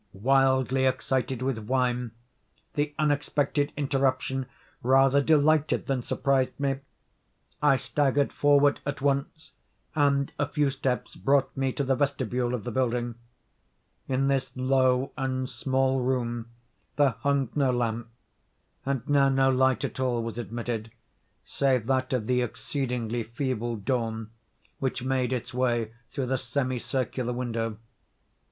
Wildly excited with wine, the unexpected interruption rather delighted than surprised me. I staggered forward at once, and a few steps brought me to the vestibule of the building. In this low and small room there hung no lamp; and now no light at all was admitted, save that of the exceedingly feeble dawn which made its way through the semi circular window.